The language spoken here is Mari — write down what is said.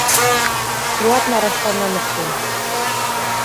Руат нарашта нымыштым.